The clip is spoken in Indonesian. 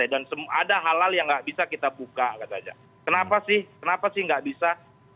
dan ada halal yang tidak bisa kita buka kenapa sih kenapa sih tidak bisa